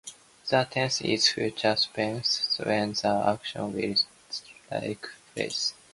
The tense is future, specifying when the action will take place.